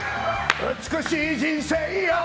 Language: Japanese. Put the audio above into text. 美しい人生よ！